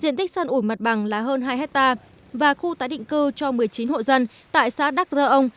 diện tích sàn ủi mặt bằng là hơn hai hectare và khu tái định cư cho một mươi chín hộ dân tại xã đắc rơ ông